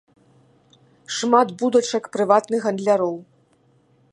Шмат будачак прыватных гандляроў.